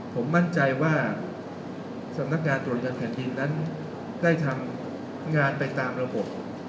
ผมมั่นใจว่าสำนักงานตรวจเงินแผ่นดินนั้นได้ทำงานไปตามระบบ